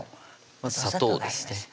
まず砂糖ですね